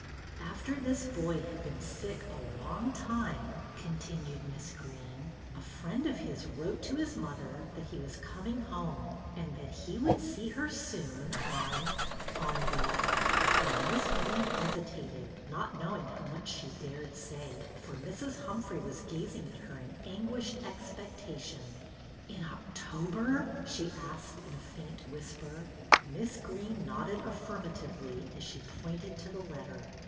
" After this boy had been sick a long time," continued Miss Greene, " a friend of his wrote to his mother that he was coming home, and that he would see her soon, on — on the —" and Miss Greene hesitated, not knowing how much she dared say, for Mrs. Humphrey was gazing at her in anguished expectation. "In October.?" she asked in a faint whisper. Miss Greene nodded affirmatively as she pointed to the letter.